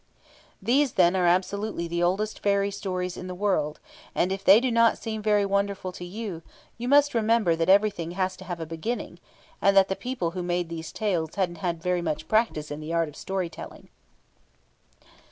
These, then, are absolutely the oldest fairy stories in the world, and if they do not seem very wonderful to you, you must remember that everything has to have a beginning, and that the people who made these tales hadn't had very much practice in the art of story telling.